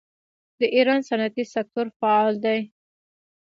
د ایران صنعتي سکتور فعال دی.